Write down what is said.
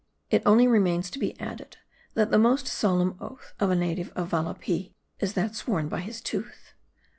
It only remains to be added, that the most solemn oath of a native of Valapee is that sworn by his tooth.